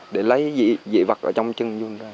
để lấy dị vật ở trong chân